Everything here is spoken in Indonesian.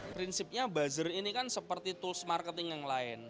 prinsipnya buzzer ini kan seperti tools marketing yang lain